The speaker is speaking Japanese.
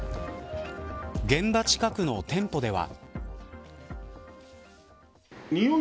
現場近くの店舗では。